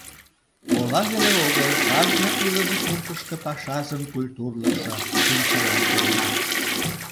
Ола веле огыл, кажне илыме суртышто пашазын культурлыкшо шинчалан перна.